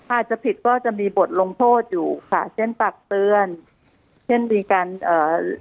อาจจะผิดก็จะมีบทลงโทษอยู่ค่ะเช่นตักเตือนเช่นมีการเอ่อ